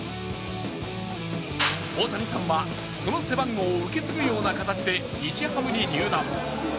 大谷さんはその背番号を受け継ぐような形で日ハムに入団。